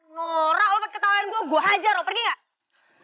norak lo pake ketawaan gue gue hajar lo pergi gak